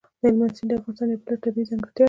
هلمند سیند د افغانستان یوه بله طبیعي ځانګړتیا ده.